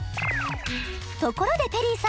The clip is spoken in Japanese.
ところでペリーさん